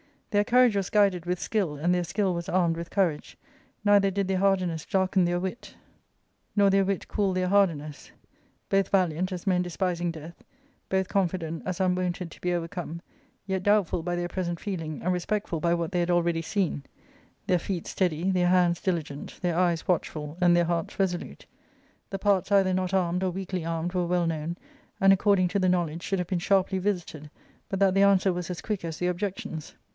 ( Their I courage was guided with skill, and their skill was armed with courage ; neither did their hardiness darken their wit, nor ARCADIA,— Book I, 37 their wit cool their hardiness : both valiant, as men despis ing death ; both confident, as unwonted to be overcome ; yet doubtful by their present feeling, and respectful by what they had already seen ; their feet steady, their hands diligent, their eyes watchful, and their hearts resolute. The parts either not armed or weakly armed were well known, and, according to the knowledge, should have been sharply visited but that the answer was as quick as the objections.